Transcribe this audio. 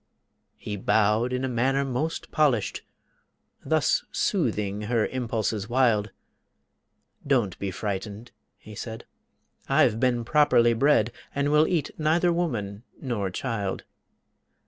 He bowed in a manner most polished, Thus soothing her impulses wild; "Don't be frightened," he said, "I've been properly bred And will eat neither woman nor child."